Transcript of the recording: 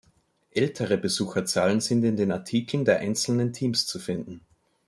Ältere Besucherzahlen sind in den Artikeln der einzelnen Teams zu finden.